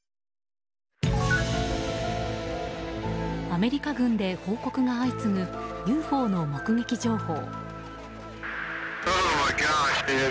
アメリカ軍で報告が相次ぐＵＦＯの目撃情報。